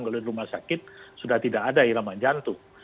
kalau rumah sakit sudah tidak ada ilaman jantung